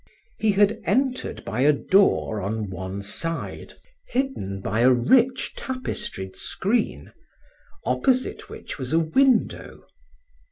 He had entered by a door on one side, hidden by a rich tapestried screen, opposite which was a window.